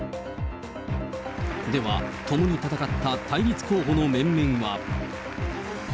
では、共に闘った対立候補の面々は。